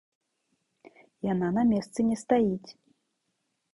Яна на месцы не стаіць.